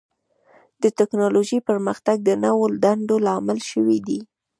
د ټکنالوجۍ پرمختګ د نوو دندو لامل شوی دی.